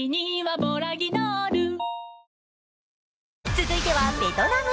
続いてはベトナム。